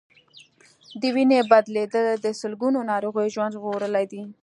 د وینې بدلېدل د سلګونو ناروغانو ژوند ژغورلی دی.